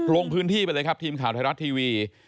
ลงพื้นที่ไปเลยครับทีมข่าวไทยรัฐทีวี